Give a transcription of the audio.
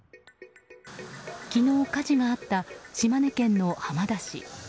昨日火事があった島根県の浜田市。